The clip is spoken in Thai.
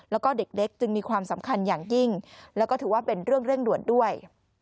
แล้วก็เด็กจึงมีความสำคัญอย่างยิ่งแล้วก็ถือว่าเป็นเรื่องเร่งด่วนด้วย